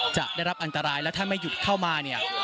จะได้รับอันตรายและถ้าไม่หยุดเข้ามาเนี่ย